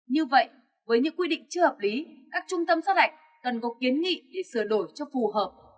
như vậy với những quy định chưa hợp lý các trung tâm sát hạch cần có kiến nghị để sửa đổi cho phù hợp